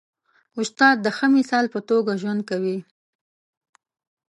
استاد د ښه مثال په توګه ژوند کوي.